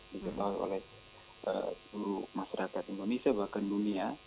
diketahui oleh seluruh masyarakat indonesia bahkan dunia